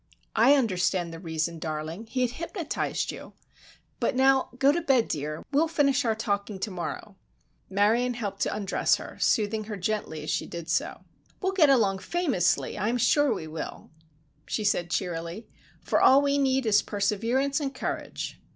"I understand the reason, darling; he had hypnotized you, but now go to bed, dear, we will finish our talking to morrow." Marion helped to undress her, soothing her gently as she did so. "We will get along famously, I am sure we will," she said, cheerily; "for all we need is perseverance and courage."